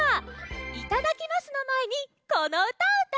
いただきますのまえにこのうたをうたいましょう！